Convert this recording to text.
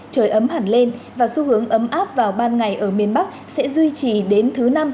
trời ấm hẳn lên và xu hướng ấm áp vào ban ngày ở miền bắc sẽ duy trì đến thứ năm